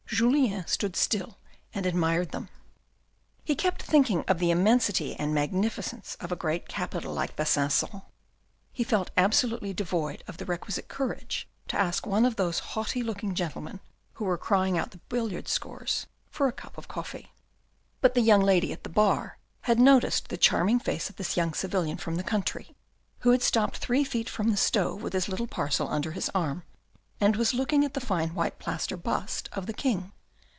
Julien stood still and admired them. He kept thinking of the immensity and magnificence of a great capital like Besancon. He felt absolutely devoid of the requisite courage to ask one of those haughty looking gentle men, who were crying out the billiard scores, for a cup of coffee. But the young lady at the bar had noticed the charming face of this young civilian from the country, who had stopped three feet from the stove with his little parcel under his arm, and was looking at the fine white plaster bust of the king.